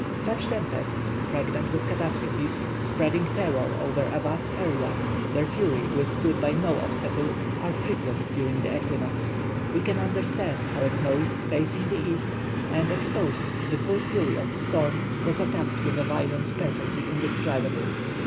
Such tempests, pregnant with catastrophes, spreading terror over a vast area, their fury withstood by no obstacle, are frequent during the equinox. We can understand how a coast facing the east, and exposed to the full fury of the storm, was attacked with a violence perfectly indescribable.